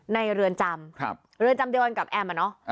ในเรือนจำเรือนจำเดียวกับแอมน่ะเนอะ